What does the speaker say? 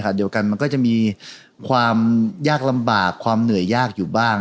เดียวกันมันก็จะมีความยากลำบากความเหนื่อยยากอยู่บ้าง